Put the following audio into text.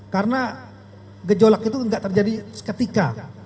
karena gejolak itu gak terjadi seketika